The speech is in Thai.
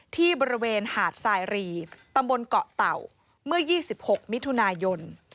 ที่บริเวณหาดสายรีตำบลเกาะเต่าเมื่อ๒๖มิถุนายน